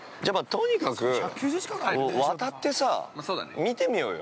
◆とにかく渡ってさ、見てみようよ。